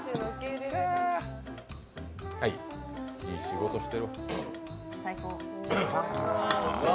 いい仕事してる。